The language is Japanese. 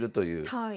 はい。